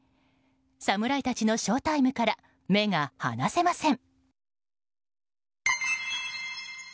侍たちのショウタイムから目が離せません。